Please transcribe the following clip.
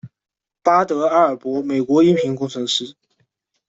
巴德·阿尔珀美国音频工程师。